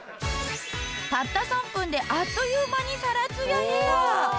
たった３分であっという間にサラツヤヘア！